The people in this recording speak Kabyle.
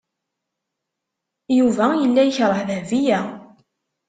Yuba yella yekṛeh Dahbiya.